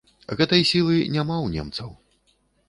Гэтай сілы няма ў немцаў.